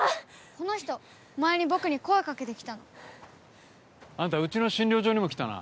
この人前に僕に声かけてきたの。あんたうちの診療所にも来たな。